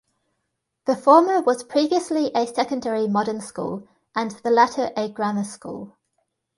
The former was previously a secondary modern school and the latter a grammar school.